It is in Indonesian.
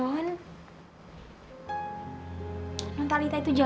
gak salah ya